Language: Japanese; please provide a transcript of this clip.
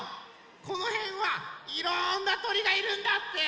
このへんはいろんなとりがいるんだって。